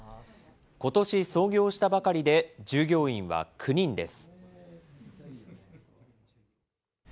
ことし創業したばかりで、従業員は９人です。